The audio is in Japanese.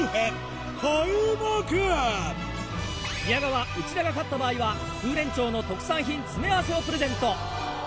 宮川内田が勝った場合は風連町の特産品詰め合わせをプレゼント。